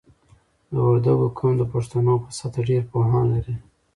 د وردګو قوم د پښتنو په سطحه ډېر پوهان لري.